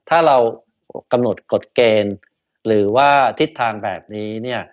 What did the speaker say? ถ้าเรากำหนดกฎเกณฑ์หรือว่าทิศทางแบบนี้เนี่ย